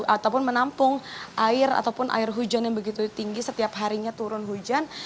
ataupun menampung air ataupun air hujan yang begitu tinggi setiap harinya turun hujan